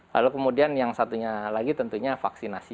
lalu kemudian yang satunya lagi tentunya vaksinasi